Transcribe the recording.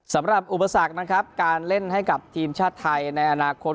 สำหรับอุปสรรคนะครับการเล่นให้กับทีมชาติไทยในอนาคต